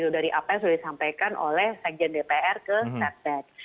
dari apa yang sudah disampaikan oleh sekjen dpr ke setnek